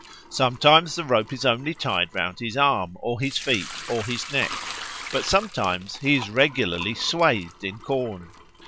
Sometimes the rope is only tied round his arm or his feet or his neck. But sometimes he is regularly swathed in corn.